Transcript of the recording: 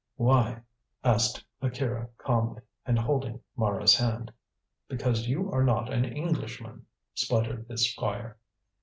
"Why?" asked Akira calmly, and holding Mara's hand. "Because you are not an Englishman," spluttered the Squire.